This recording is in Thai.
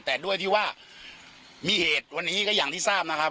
แต่ด้วยที่ว่ามีเหตุวันนี้ก็อย่างที่ทราบนะครับ